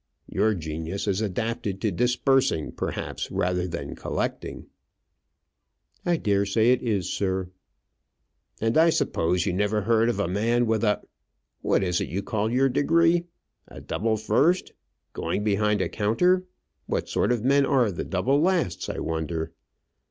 Your genius is adapted to dispersing, perhaps, rather than collecting." "I dare say it is, sir." "And I suppose you never heard of a man with a what is it you call your degree? a double first going behind a counter. What sort of men are the double lasts, I wonder!"